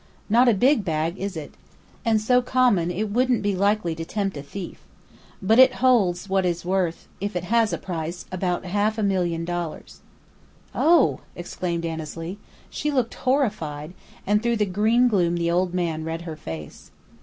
"Not a big bag, is it? And so common, it wouldn't be likely to tempt a thief. But it holds what is worth if it has a price about half a million dollars." "Oh!" exclaimed Annesley. She looked horrified; and through the green gloom the old man read her face.